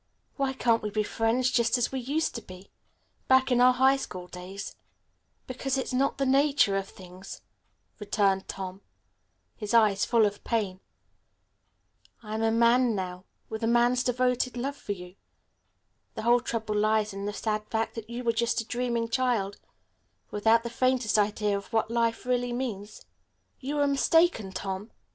Why can't we be friends just as we used to be, back in our high school days?" "Because it's not in the nature of things," returned Tom, his eyes full of pain. "I am a man now, with a man's devoted love for you. The whole trouble lies in the sad fact that you are just a dreaming child, without the faintest idea of what life really means." "You are mistaken, Tom."